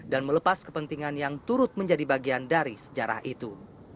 dan melepas kepentingan yang turut menjadi bagian dari sejarah itu